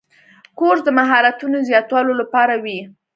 کورس د مهارتونو زیاتولو لپاره وي.